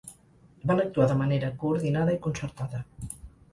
Van actuar de manera coordinada i concertada.